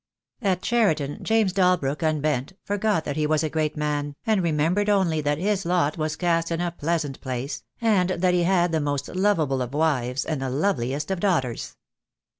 At Cheriton James Dalbrook unbent, forgot that he was a great man, and remembered only that his lot was cast in a pleasant place, and that he had the most lov able of wives and the loveliest of daughters.